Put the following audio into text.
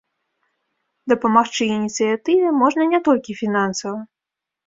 Дапамагчы ініцыятыве можна не толькі фінансава.